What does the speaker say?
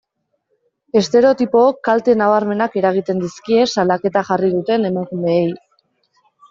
Estereotipook kalte nabarmenak eragiten dizkie salaketa jarri duten emakumeei.